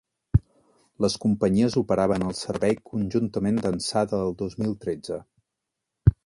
Les companyies operaven el servei conjuntament d’ençà del dos mil tretze.